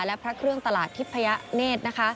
และพระเครื่องตลาดทิพยะเนธ